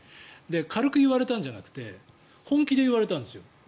軽く言われたんじゃなくて本気で言われたんですよ。